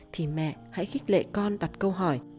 thì mẹ hãy khích lệ con đặt câu hỏi